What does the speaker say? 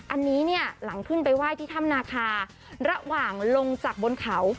อันนี้เนี่ยหลังขึ้นไปไหว้ที่ถ้ำนาคาระหว่างลงจากบนเขา